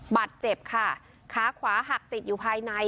บาดเจ็บค่ะขาขวาหักติดอยู่ภายใน